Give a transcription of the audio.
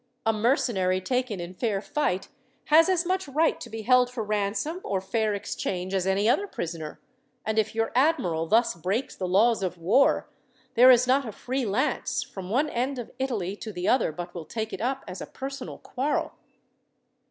A mercenary taken in fair fight has as much right to be held for ransom or fair exchange as any other prisoner; and if your admiral thus breaks the laws of war, there is not a free lance, from one end of Italy to the other, but will take it up as a personal quarrel."